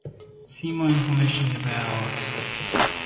See more information about Oryctolagus cuniculis genetics here.